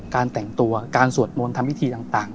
การแต่งตัวการสวดมนต์ทำพิธีต่าง